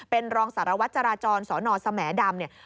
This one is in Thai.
เป็นรองสารวัตรจรจรสนสแหมดำ